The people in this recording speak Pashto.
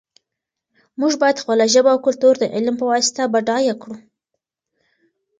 موږ باید خپله ژبه او کلتور د علم په واسطه بډایه کړو.